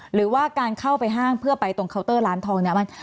หรือว่าการเข้าไปห้างเพื่อไปตรงเคาน์เตอร์ร้านทองเนี่ย